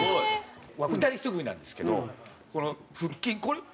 二人一組なんですけどこの腹筋これ。